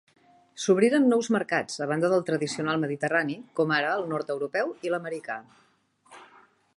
S'obriren nous mercats, a banda del tradicional mediterrani, com ara el nord-europeu i l'americà.